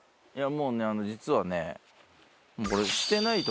もうね実はね